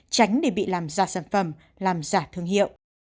tránh để bị làm giả sản phẩm làm giả thương hiệu